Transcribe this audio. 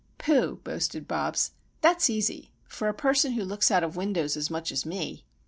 "Pooh!" boasted Bobs, "that's easy;—for a person who looks out of windows as much as me.